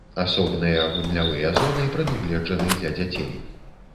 Асобныя гульнявыя зоны прадугледжаны для дзяцей.